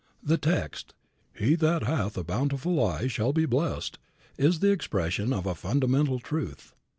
The text "He that hath a bountiful eye shall be blessed" is the expression of a fundamental truth.